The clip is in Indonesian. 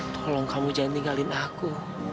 tolong kamu jangan tinggalin aku